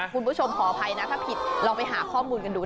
คุณผู้ชมขออภัยนะถ้าผิดเราไปหาข้อมูลกันดู